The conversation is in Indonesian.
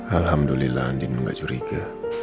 alhamdulillah andin gak curiga